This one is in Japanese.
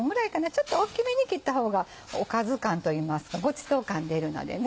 ちょっと大きめに切った方がおかず感といいますかごちそう感出るのでね